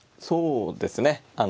そうですね